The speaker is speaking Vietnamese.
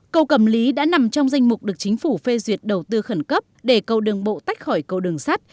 cầu cầm lý đã nằm trong danh mục được chính phủ phê duyệt đầu tư khẩn cấp để cầu đường bộ tách khỏi cầu đường sắt